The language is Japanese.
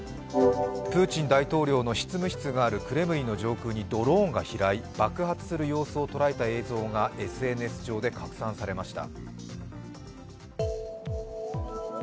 プーチン大統領の執務室のあるクレムリン上空にドローンが飛来、爆発する様子を捉えた映像がＳＮＳ上で拡散されました。